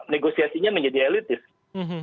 negosiasinya menjadi elitis